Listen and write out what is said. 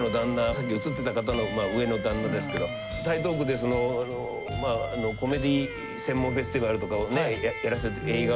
さっき映ってた方の上の旦那ですけど台東区でコメディ専門フェスティバルとかをやらせて映画の。